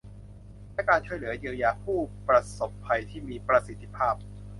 และการช่วยเหลือเยียวยาผู้ประสบภัยที่มีประสิทธิภาพ